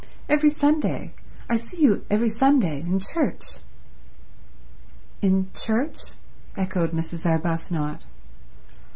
"Every Sunday—I see you every Sunday in church—" "In church?" echoed Mrs. Arbuthnot.